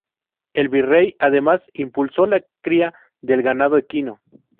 El Virrey además impulsó la cría del ganado equino.